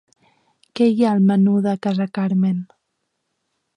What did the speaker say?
Què hi ha al menú de Casa Carmen?